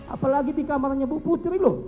apalagi di kamarnya bu putri loh